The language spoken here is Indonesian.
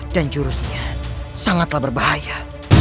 dan jurusnya sangatlah berbahaya